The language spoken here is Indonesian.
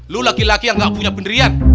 lo laki laki yang gak punya pendirian